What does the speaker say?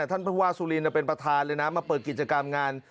ท่านผู้ว่าสุรินเป็นประธานเลยนะมาเปิดกิจกรรมงาน